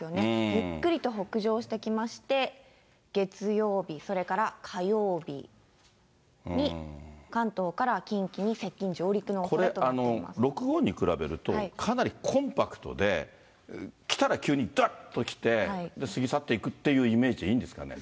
ゆっくりと北上してきまして、月曜日、それから火曜日に、関東から近畿に接近、これ、６号に比べると、かなりコンパクトで、来たら急にだーっと来て、過ぎ去っていくというイメージでいいんですかね。